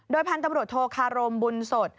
พันธุ์ตำรวจโทคารมบุญสด